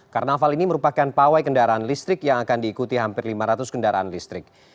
karnaval ini merupakan pawai kendaraan listrik yang akan diikuti hampir lima ratus kendaraan listrik